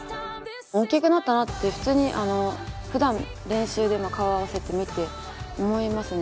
大きくなったなって、普通にふだん、練習で顔を合わせてみて思いますね。